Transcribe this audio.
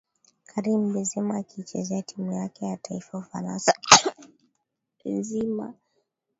Karim Benzema akiichezea timu yake ya taifa ya Ufaransa Benzema